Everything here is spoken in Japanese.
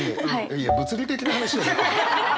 いや物理的な話じゃなくね。